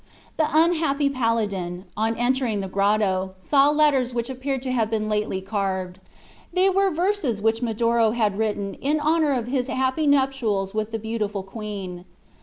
The unhappy paladin, on entering the grotto, saw letters which appeared to have been lately carved. They were verses which Medoro had written in honor of his happy nuptials with the beautiful queen.